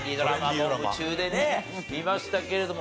もう夢中でね見ましたけれども。